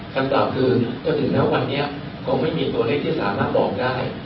ขั้นต่อคืนถ้าถึงแถววันเนี้ยคงไม่มีตัวเล็กที่สามารถบอกได้